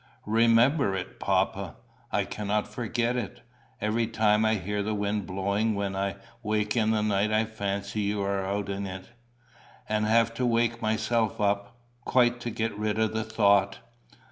"Remember it, papa? I cannot forget it. Every time I hear the wind blowing when I wake in the night I fancy you are out in it, and have to wake myself up' quite to get rid of the thought."